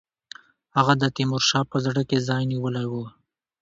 هغه د تیمورشاه په زړه کې ځای نیولی وو.